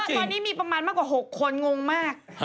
ตอนนี้มีประมาณมากกว่า๖คนงงมาก